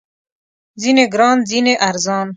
ځینې ګران، ځینې ارزان